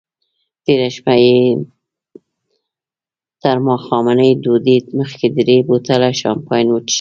تېره شپه یې تر ماښامنۍ ډوډۍ مخکې درې بوتله شیمپین وڅیښل.